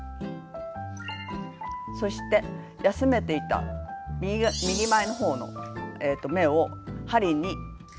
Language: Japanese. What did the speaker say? そして休めていた右前の方の目を針に移して。